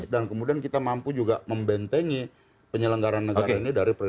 dan kemudian kita mampu juga membentengi penyelenggaran negara ini dari perilaku